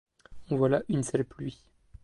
En voilà une sale pluie!